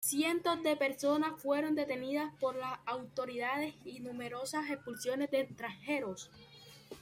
Cientos de personas fueron detenidas por las autoridades y numerosas expulsiones de extranjeros.